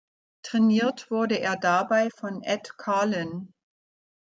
Trainiert wurde er dabei von Ed Carlin.